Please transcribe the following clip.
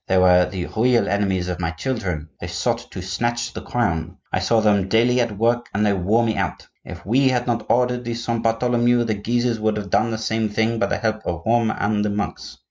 They were the real enemies of my children; they sought to snatch the crown; I saw them daily at work and they wore me out. If we had not ordered the Saint Bartholomew, the Guises would have done the same thing by the help of Rome and the monks.